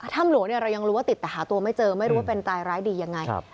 ถ้ำหลวงเนี่ยเรายังรู้ว่าติดแต่หาตัวไม่เจอไม่รู้ว่าเป็นตายร้ายดียังไง